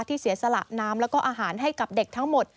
เสียสละน้ำแล้วก็อาหารให้กับเด็กทั้งหมด